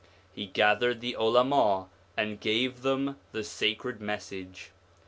He gathered the Ulama and gave them the sacred message.